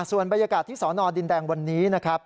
ส่วนบรรยากาศที่สอนอดินแดงวันนี้นะครับ